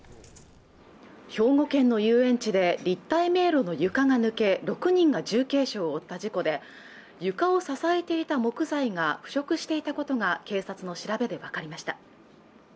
兵庫県の遊園地で立体迷路の床が抜け６人が重軽傷を負った事故で床を支えていた木材が腐食していたことが警察の調べで分かりました